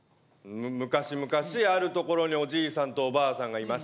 昔々ある所におじいさんとおばあさんがいました。